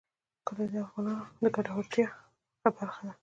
کلي د افغانانو د ګټورتیا برخه ده.